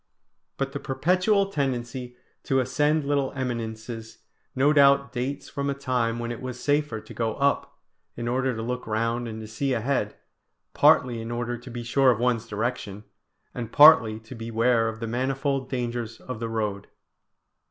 But the perpetual tendency to ascend little eminences no doubt dates from a time when it was safer to go up, in order to look round and to see ahead, partly in order to be sure of one's direction, and partly to beware of the manifold dangers of the road.